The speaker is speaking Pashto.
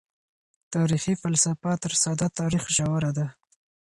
تاريخي فلسفه تر ساده تاريخ ژوره ده.